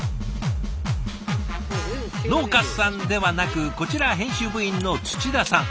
農家さんではなくこちら編集部員の土田さん。